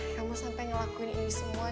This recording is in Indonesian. kamu sampai ngelakuin ini semua